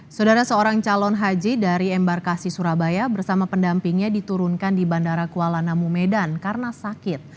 saudara seorang calon haji dari embarkasi surabaya bersama pendampingnya diturunkan di bandara kuala namu medan karena sakit